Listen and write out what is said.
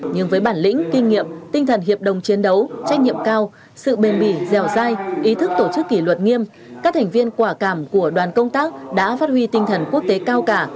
nhưng với bản lĩnh kinh nghiệm tinh thần hiệp đồng chiến đấu trách nhiệm cao sự bền bỉ dèo dai ý thức tổ chức kỷ luật nghiêm các thành viên quả cảm của đoàn công tác đã phát huy tinh thần quốc tế cao cả